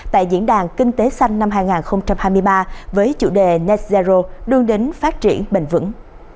tại diễn đàn kinh tế xanh năm hai nghìn hai mươi ba với chủ đề net zero đưa đến phát triển bền vững